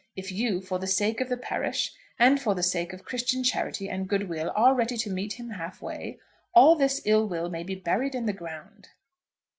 If you, for the sake of the parish, and for the sake of Christian charity and goodwill, are ready to meet him half way, all this ill will may be buried in the ground."